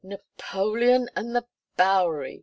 "Napoleon and the Bowery!"